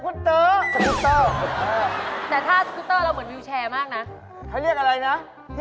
ไปเที่ยวทะเลเจ๊สะเม็ด